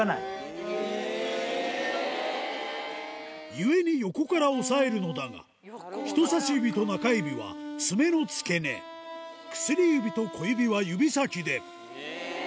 故に横から押さえるのだが人さし指と中指は爪の付け根薬指と小指は指先でえぇ！